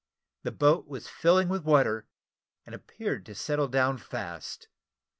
The boat was filling with water, and appeared to settle down fast.